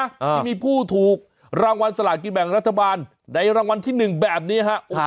ที่มีผู้ถูกรางวัลสลากินแบ่งรัฐบาลในรางวัลที่หนึ่งแบบนี้ฮะโอ้โห